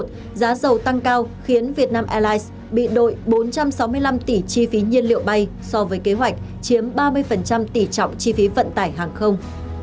trong quý i giá dầu tăng cao khiến vietnam airlines bị đổi bốn trăm sáu mươi năm tỷ chi phí nhiên liệu bay so với kế hoạch chiếm ba mươi tỷ trọng chi phí vận tải hàng không